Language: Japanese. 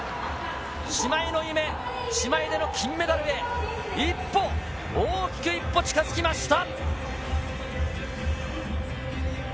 姉妹の夢、姉妹での金メダルへ、一歩、大きく一歩近づきました。